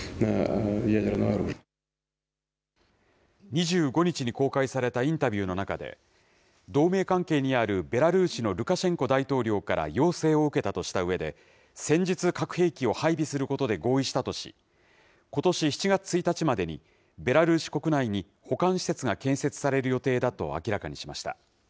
２５日に公開されたインタビューの中で、同盟関係にあるベラルーシのルカシェンコ大統領から要請を受けたとしたうえで、戦術核兵器を配備することで合意したとし、ことし７月１日までに、ベラルーシ国内に保管施設が建設される予定だと明らかにしました。